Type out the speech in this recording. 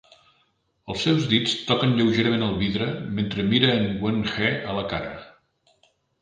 Els seus dits toquen lleugerament el vidre mentre mira a Wen He a la cara.